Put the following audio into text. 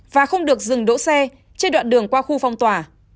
và không được dừng đỗ xe trên đoạn đường qua khu phong tỏa